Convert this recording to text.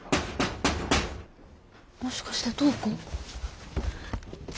もしかして灯子？